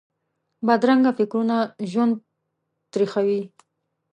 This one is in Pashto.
بدرنګه فکرونه ژوند تریخوي